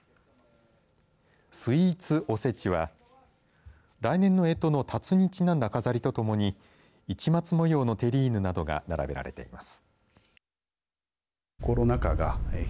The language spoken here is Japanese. スイーツおせちは来年のえとのたつにちなんだ飾りとともに市松模様のテリーヌなどが並べられています。